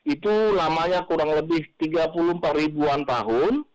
itu lamanya kurang lebih tiga puluh empat ribuan tahun